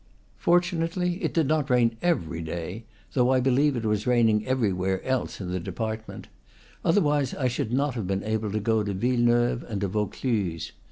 XXXIV. Fortunately, it did not rain every day (though I believe it was raining everywhere else in the depart ment); otherwise I should not have been able to go to Villeneuve and to Vaucluse.